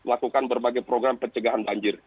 melakukan berbagai program pencegahan banjir